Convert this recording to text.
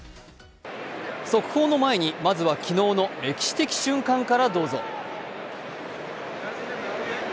速報の前に、まずは昨日の歴史的瞬間からどうぞ。